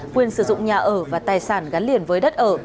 quyền sử dụng nhà ở và tài sản gắn liền với đất ở